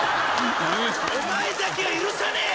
お前だけは許さねえ！